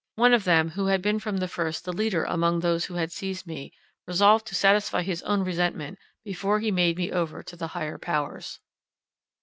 One of them, who had been from the first the leader among those who had seized me, resolved to satisfy his own resentment, before he made me over to the higher powers.